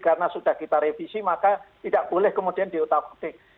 karena sudah kita revisi maka tidak boleh kemudian diutak utik